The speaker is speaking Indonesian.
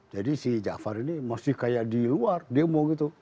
jadi si jaafar ini masih kayak di luar demo gitu